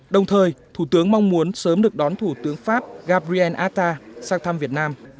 đồng thời thủ tướng mong muốn sớm được đón thủ tướng pháp gabriel ata sang thăm việt nam